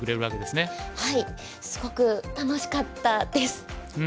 はいすごく楽しかったです。